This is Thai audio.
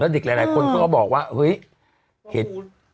แล้วเด็กหลายคนก็บอกว่าเฮ้ยเห็น